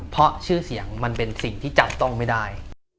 เพราะชื่อเสียงมันเป็นสิ่งที่จับต้องไม่ได้